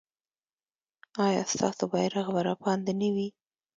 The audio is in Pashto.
ایا ستاسو بیرغ به رپانده نه وي؟